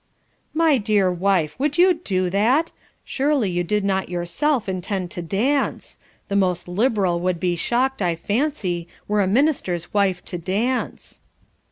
"My dear wife! would you do that? Surely you did not yourself intend to dance; the most liberal would be shocked, I fancy, were a minister's wife to dance."